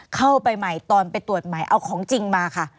เข้าไปใหม่ตอนไปตรวจใหม่เอาของจริงมาค่ะ